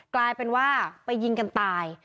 กลายเป็นว่าไปยิงกันตาย